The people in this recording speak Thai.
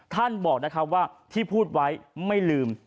ท่านบอกว่าที่พูดไว้ไม่ลืม